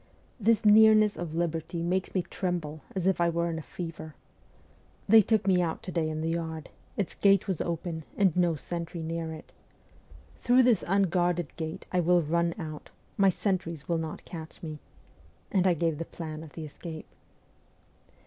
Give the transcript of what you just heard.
' This nearness of liberty makes me tremble as if I were in a fever. They took me out to day in the yard ; its gate was open, and no sentry near it. Through this unguarded gate I will run out ; my sentries will not catch me' and I gave the plan of the escape.